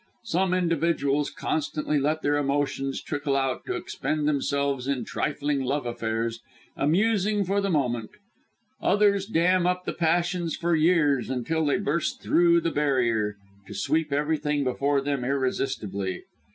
Some individuals constantly let their emotions trickle out to expend themselves in trifling love affairs, amusing for the moment; others dam up the passions for years until they burst through the barrier, to sweep everything before them irresistibly.